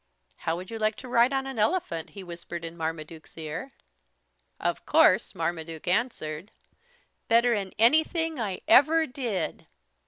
"How would you like to ride on an elephant?" he whispered in Marmaduke's ear. Of course Marmaduke answered: "Better 'n anything I ever did."